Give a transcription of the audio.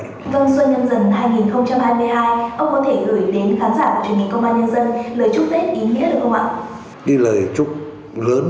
vâng xuân năm dần hai nghìn hai mươi hai ông có thể gửi đến khán giả của truyền hình công an nhân dân lời chúc tết ý nghĩa được không ạ